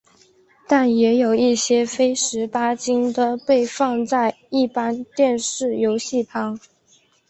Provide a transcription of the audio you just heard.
但也有一些非十八禁的被放在一般电视游戏旁。